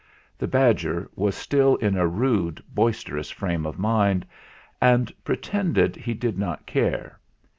The badger was still in a rude, boisterous frame of mind, and pretended he did not care.